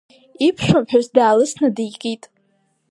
Иԥшәмаԥҳәыс даалысны дикит.